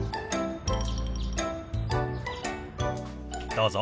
どうぞ。